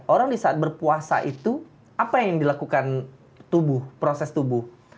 orang di saat berpuasa itu apa yang dilakukan tubuh proses tubuh